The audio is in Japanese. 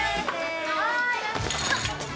はい！